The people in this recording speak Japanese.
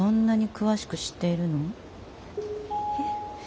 えっ。